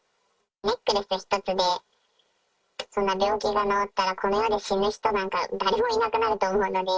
ネックレス１つで、そんな病気が治ったら、この世で死ぬ人なんか誰もいなくなると思うので。